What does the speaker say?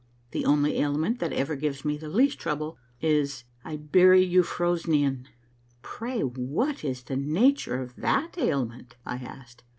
The only ailment that ever gives me the least trouble is iburyufrosniaN " Pray, what is the nature of that ailment ?" I asked.